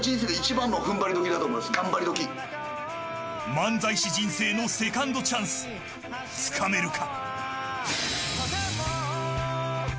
漫才師人生のセカンドチャンスつかめるか。